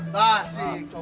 nah cik coba